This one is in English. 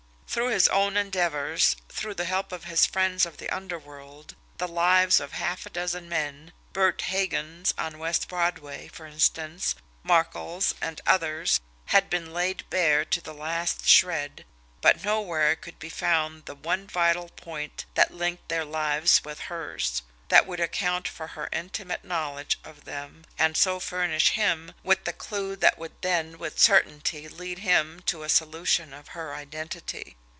Through his own endeavours, through the help of his friends of the underworld, the lives of half a dozen men, Bert Hagan's on West Broadway, for instance, Markel's, and others', had been laid bare to the last shred, but nowhere could be found the one vital point that linked their lives with hers, that would account for her intimate knowledge of them, and so furnish him with the clew that would then with certainty lead him to a solution of her identity.